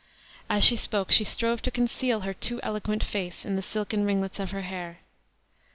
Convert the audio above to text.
As she spoke she strove to conceal her too eloquent face in the silken ringlets of her hair.